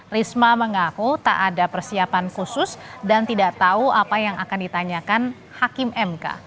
risma mengaku tak ada persiapan khusus dan tidak tahu apa yang akan ditanyakan hakim mk